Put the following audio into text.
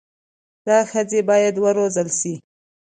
دا ښځي بايد و روزل سي